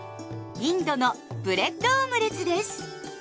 インドのブレッドオムレツです。